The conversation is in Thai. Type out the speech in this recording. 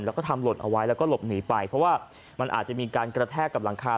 แล้วก็ทำหล่นเอาไว้แล้วก็หลบหนีไปเพราะว่ามันอาจจะมีการกระแทกกับหลังคา